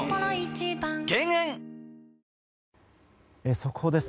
速報です。